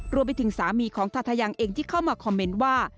รวมไปถึงสามีของทาทะยังเองที่เข้ามาคอมเมนต์ว่า